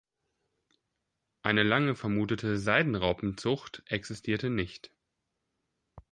Eine lange vermutete Seidenraupenzucht existierte nicht.